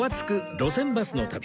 路線バスの旅』